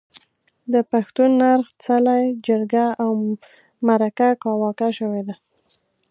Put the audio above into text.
د پښتون نرخ، څلی، جرګه او مرکه کاواکه شوې ده.